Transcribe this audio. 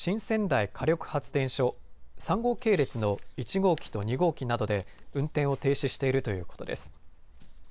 仙台火力発電所３号系列の１号機と２号機などで運転を停止しているということです。